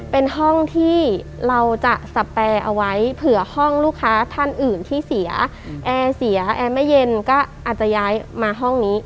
เป็นห้องที่เราจะสแปรเอาไว้เผื่อห้องลูกค้าท่านอื่นที่เสียแอร์เสียแอร์ไม่เย็นก็อาจจะย้ายมาห้องนี้